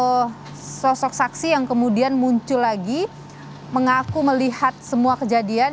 kalau kita lihat kasus ini ada sosok saksi yang kemudian muncul lagi mengaku melihat semua kejadian